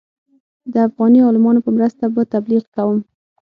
د افغاني عالمانو په مرسته به تبلیغ کوم.